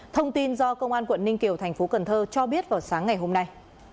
thông tin do công an quận ninh kiều tp cần thơ cho biết vào sáng ngày hôm nay